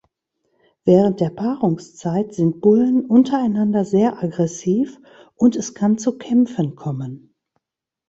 Während der Paarungszeit sind Bullen untereinander sehr aggressiv, und es kann zu Kämpfen kommen.